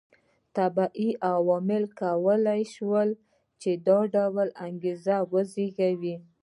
طبیعي عواملو کولای شول چې دا ډول انګېزې وزېږوي